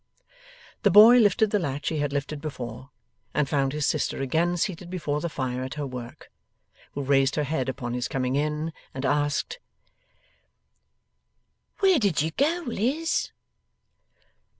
The boy lifted the latch he had lifted before, and found his sister again seated before the fire at her work. Who raised her head upon his coming in and asking: 'Where did you go, Liz?